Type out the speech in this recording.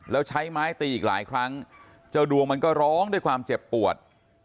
แล้วใช้ไม้ตีอีกหลายครั้งเจ้าดวงมันก็ร้องด้วยความเจ็บปวด